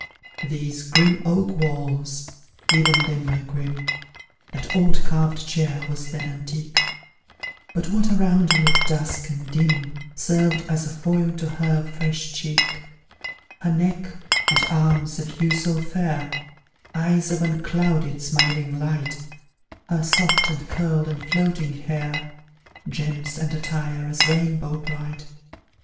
These grim oak walls even then were grim; That old carved chair was then antique; But what around looked dusk and dim Served as a foil to her fresh cheek; Her neck and arms, of hue so fair, Eyes of unclouded, smiling light; Her soft, and curled, and floating hair, Gems and attire, as rainbow bright.